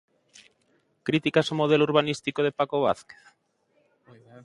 Críticas ao modelo urbanístico de Paco Vázquez?